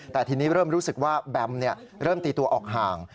แต่ทีนี้เริ่มรู้สึกว่าแบมเริ่มตีตัวออกห่าง